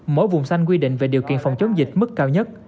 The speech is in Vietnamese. mỗi vùng xanh quy định về điều kiện phòng chống dịch mức cao nhất